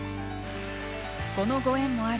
このご縁もあり